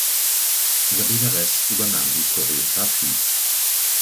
Sabine Ress übernahm die Choreographie.